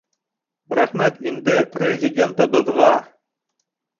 Рәхмәт инде Президентыбыҙға!